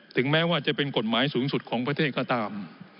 ถึงแม้ว่าจะเป็นกฎหมายสูงสุดของประเทศก็ตาม